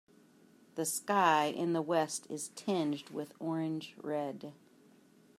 The sky in the west is tinged with orange red.